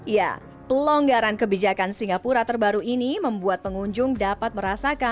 ya pelonggaran kebijakan singapura terbaru ini membuat pengunjung dapat merasakan